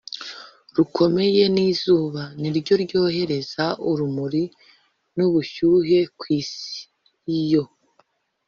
rukomeye n'izuba. ni ryo ryohereza urumuri n'ubushyuhe ku isi. iyo